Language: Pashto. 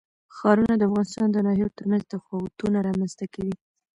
ښارونه د افغانستان د ناحیو ترمنځ تفاوتونه رامنځ ته کوي.